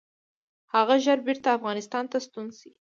هغه ژر بیرته افغانستان ته ستون شي.